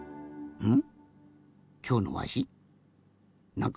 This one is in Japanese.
うん。